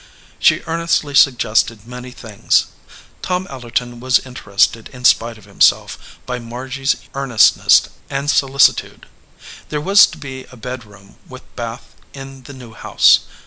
She earnestly suggested many things. Tom Ellerton was interested in spite of himself by Margy s ear nestness and solicitude. There was to be a bed room with bath in the new house.